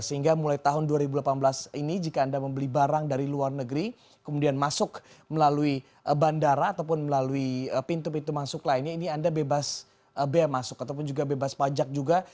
sehingga mulai tahun dua ribu delapan belas ini jika anda membeli barang dari luar negeri kemudian masuk melalui bandara ataupun melalui pintu pintu masuk lainnya ini anda bebas bea masuk ataupun juga bebas pajak juga